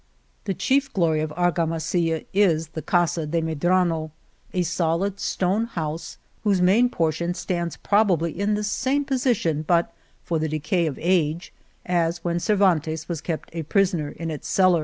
The chief glory of Argamasilla is the Casa de Medrano, a solid stone house, whose main portion stands probably in the same position, but for the decay of age, as when Cervantes was kept a prisoner in its cellar.